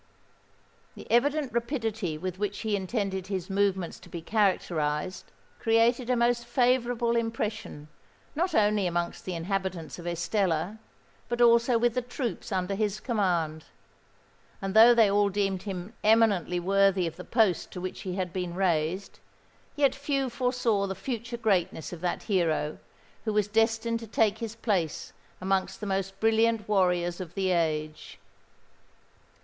The evident rapidity with which he intended his movements to be characterised, created a most favourable impression not only amongst the inhabitants of Estella, but also with the troops under his command; and though they all deemed him eminently worthy of the post to which he had been raised, yet few foresaw the future greatness of that hero who was destined to take his place amongst the most brilliant warriors of the age.